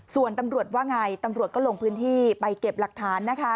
ส่วนตำรวจว่าไงตำรวจก็ลงพื้นที่ไปเก็บหลักฐานนะคะ